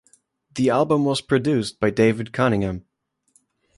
The album was produced by David Cunningham.